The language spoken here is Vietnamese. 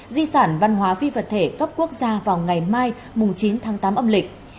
di sản văn hóa phi vật thể cấp quốc gia vào ngày mai chín tháng tám âm lịch